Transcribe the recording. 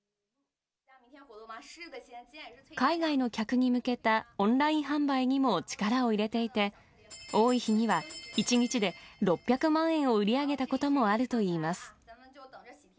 海外の客に向けたオンライン販売にも力を入れていて、多い日には１日で６００万円を売り上げたこともあるといいます。